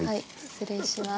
失礼します。